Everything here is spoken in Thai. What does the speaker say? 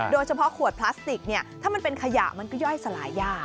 โดยเฉพาะขวดพลาสติกเนี่ยถ้ามันเป็นขยะมันก็ย่อยสลายยาก